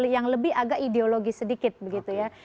yang lebih agak ideologis sedikit begitu ya